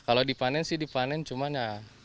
kalau dipanen sih dipanen cuman ya dibuang aja